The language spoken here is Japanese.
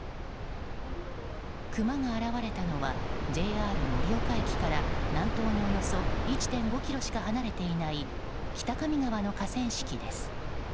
クマが現れたのはＪＲ盛岡駅から南東におよそ１．５ｋｍしか離れていない北上川の河川敷です。